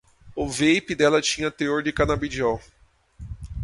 O vape dela tinha teor de canabidiol